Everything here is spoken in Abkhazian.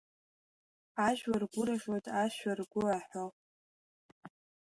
Ажәлар гәырӷьоит ашәа ргәы аҳәо.